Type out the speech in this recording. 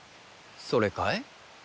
それかい？